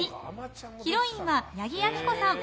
ヒロインは八木亜希子さん。